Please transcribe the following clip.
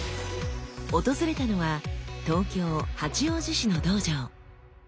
訪れたのは東京・八王子市の道場。